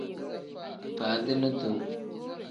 Faadini duu.